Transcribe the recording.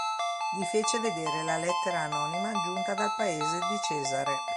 Gli fece vedere la lettera anonima giunta dal paese di Cesare.